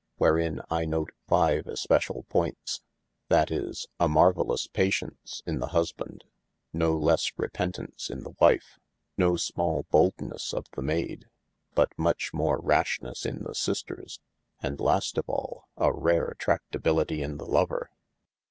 Wherein I note five especial pointes : that is a marvailous patience in the husband, no lesse repentaunce in the wife, no smal boldnesse of the mayde, but muche more rashnesse in the sisters, & last of al, a rare tradtabilitie in the lover.